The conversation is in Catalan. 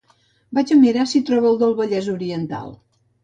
Vaig a mirar si trobo el del Vallès oriental